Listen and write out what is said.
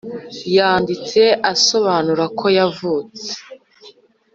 Yanditse asobanura ko yavutse